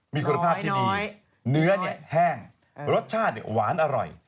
มีคุณภาพที่ดีเนื้อเนี่ยแห้งรสชาติหวานอร่อย